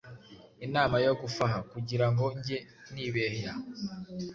inama yo gufaha kugira ngo njye, nibehya